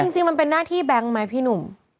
จริงมันเป็นหน้าที่แบงค์ไหมพี่หนุ่ม